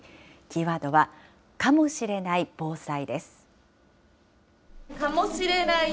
キーワードはかもしれない防災です。